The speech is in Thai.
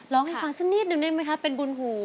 ร้องให้ฟังสักนิดนึงได้ไหมคะเป็นบุญหู